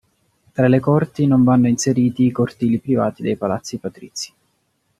Tra le corti non vanno inseriti i cortili privati dei palazzi patrizi.